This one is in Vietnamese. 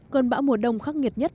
cơn bão mùa đông khắc nghiệt nhất